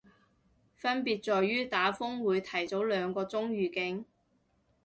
分別在於打風會提早兩個鐘預警